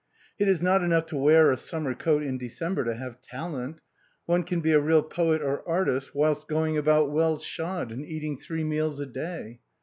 It is not enough to wear a summer coat in December to have talent; one can be a real poet or artist whilst going about well shod and eating three meals a day.